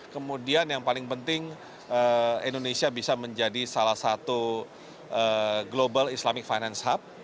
kemudian yang paling penting indonesia bisa menjadi salah satu global islamic finance hub